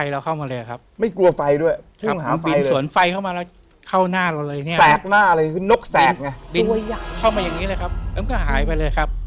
แล้วยังไงเหรอ